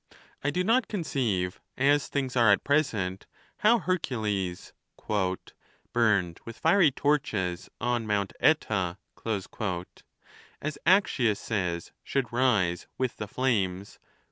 I do not conceive, as things are at present, how Hercules, Burn'd with fiery torches on Mount (Eta, as Accius says, should rise, with the flames.